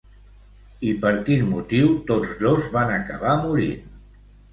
I per quin motiu tots dos van acabar morint?